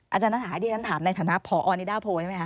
อาจารย์น่าถามอาจารย์น่าถามในฐานะพอนิดาโภใช่ไหมคะ